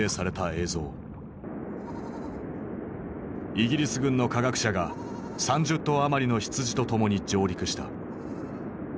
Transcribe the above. イギリス軍の科学者が３０頭余りの羊と共に上陸した。